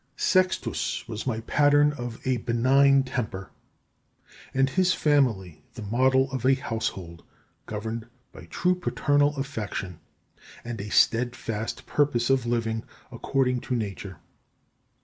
9. Sextus was my pattern of a benign temper, and his family the model of a household governed by true paternal affection, and a steadfast purpose of living according to nature.